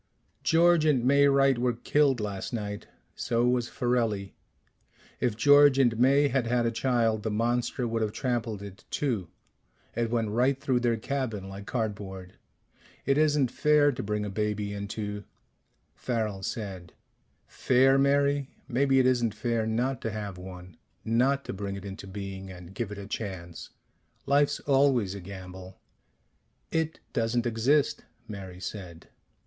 "George and May Wright were killed last night. So was Farelli. If George and May had had a child, the monster would have trampled it too it went right through their cabin like cardboard. It isn't fair to bring a baby into " Farrel said, "Fair, Mary? Maybe it isn't fair not to have one. Not to bring it into being and give it a chance. Life's always a gamble " "It doesn't exist," Mary said.